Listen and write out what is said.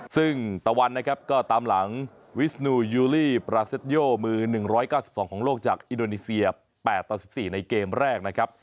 ซึ่งตะวันนะครับก็ตามหลังวิสนูยูลี่ปราเซตโยมือ๑๙๒ของโลกจากอินโดนีเซีย๘ต่อ๑๔ในเกมแรกนะครับ